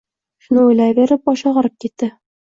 Shuni o’ylayverib, boshi ogʻrib ketdi.